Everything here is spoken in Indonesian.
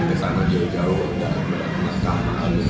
tidak sia sia kami berlatasan bersama jawa jawa dan merekam album ini